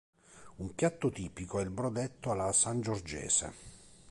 Un piatto tipico è il "brodetto alla sangiorgese".